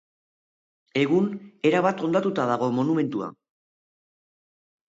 Egun erabat hondatua dago monumentua.